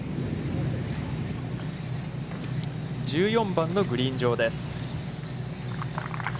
１４番のグリーン上です。